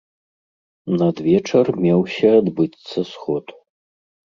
Надвечар меўся адбыцца сход.